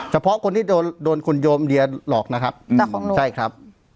เฉพาะคนที่โดนคุณโยมเดียหลอกนะครับเจ้าของใช่ครับ